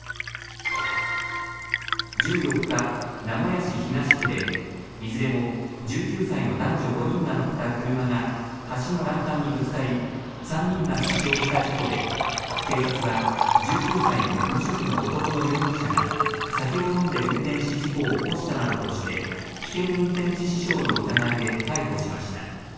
１４日、名古屋市東区でいずれも１９歳の男女５人が乗った車が橋の欄干にぶつかり３人が死傷した事故で警察は１９歳の無職の男の容疑者が酒を飲んで運転し事故を起こしたなどとして危険運転致死傷の疑いで逮捕しました。